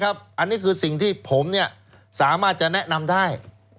อันนี้คือสิ่งที่ผมสามารถจะแนะนำได้